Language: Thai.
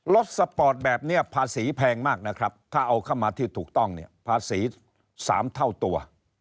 สปอร์ตแบบนี้ภาษีแพงมากนะครับถ้าเอาเข้ามาที่ถูกต้องเนี่ยภาษี๓เท่าตัว